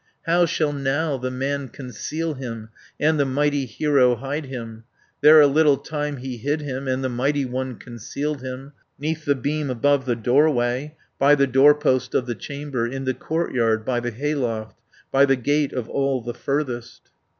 How shall now the man conceal him, And the mighty hero hide him? There a little time he hid him, And the mighty one concealed him, 'Neath the beam above the doorway, By the doorpost of the chamber. In the courtyard by the hayloft, By the gate of all the furthest.